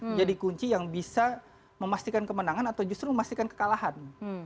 menjadi kunci yang bisa memastikan kemenangan atau justru memastikan kekalahan